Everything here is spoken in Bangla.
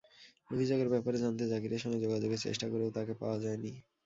অভিযোগের ব্যাপারে জানতে জাকিরের সঙ্গে যোগাযোগের চেষ্টা করেও তাঁকে পাওয়া যায়নি।